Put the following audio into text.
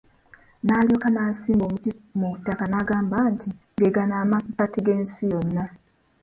Nalyoka nasimba omuti mu ttaka n'agamba nti, gegano amakkati g'ensi yonna.